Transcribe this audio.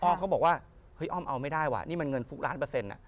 เขาบอกว่าเฮ้ยอ้อมเอาไม่ได้ว่ะนี่มันเงินฟุกล้านเปอร์เซ็นต์